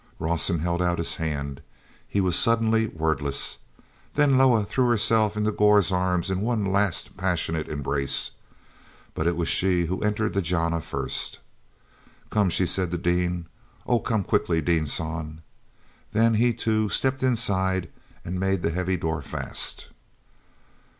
Rawson held out his hand. He was suddenly wordless. Then Loah threw herself into Gor's arms in one last passionate embrace—but it was she who entered the jana first. "Come," she said to Dean. "Oh, come quickly, Dean San!" Then he, too stepped inside and made the heavy door fast.